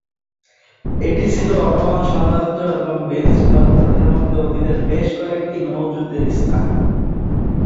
এটি ছিল অটোমান সাম্রাজ্য এবং ভেনিস প্রজাতন্ত্রের মধ্যে অতীতের বেশ কয়েকটি নৌ যুদ্ধের স্থান।